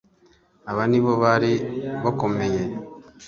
aba ni bo bari bakomeye